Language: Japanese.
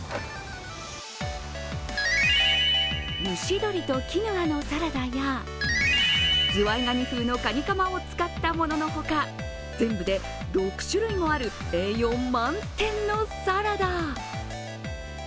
蒸し鶏とキヌアのサラダやズワイガニ風のカニカマを使ったもののほか、全部で６種類もある栄養満点のサラダ。